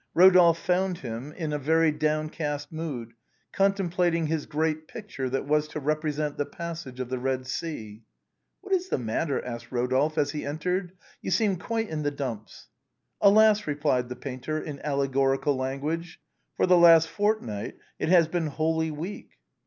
Ro dolphe found him in a very downcast mood, contemplating his great picture that was to represent the passage of the Red Sea. " What is the matter ?" asked Rodolphe, as he entered. " You seem quite in the dumps." "Alas !" replied the painter, in allegorical language, " for the last fortnight it has been Holy Week."